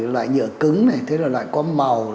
loại nhựa cứng loại có màu